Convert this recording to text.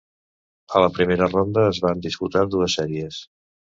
A la primera ronda es van disputar dues sèries.